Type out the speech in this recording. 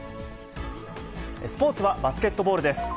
スポーツはバスケットボールです。